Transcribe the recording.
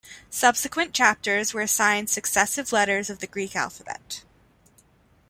Subsequent chapters were assigned successive letters of the Greek alphabet.